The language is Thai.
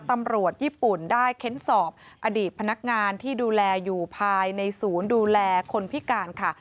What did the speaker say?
ตำรวจญี่ปุ่นได้เค้นสอบอดีตพนักงานที่ดูแลอยู่ภายในศูนย์ดูแลคนพิการค่ะ